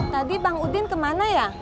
tadi bang udin kemana ya